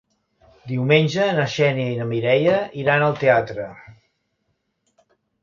Diumenge na Xènia i na Mireia iran al teatre.